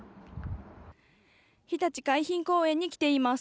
ひたち海浜公園に来ています。